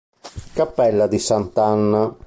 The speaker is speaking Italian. Cappella di Sant'Anna